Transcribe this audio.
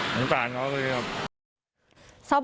หนึ่งต่างยากเลยครับ